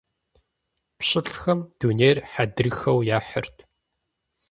ПщылӀхэм дунейр хьэдрыхэу яхьырт.